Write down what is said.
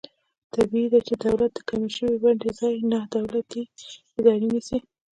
طبعي ده چې د دولت د کمې شوې ونډې ځای نا دولتي ادارې نیسي.